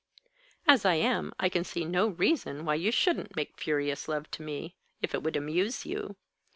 "As I am, I can see no reason why you shouldn't make furious love to me, if it would amuse you.